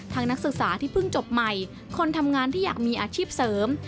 นักศึกษาที่เพิ่งจบใหม่คนทำงานที่อยากมีอาชีพเสริม